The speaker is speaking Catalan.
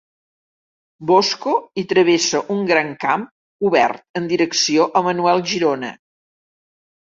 Bosco i travessa un gran camp obert en direcció a Manuel Girona.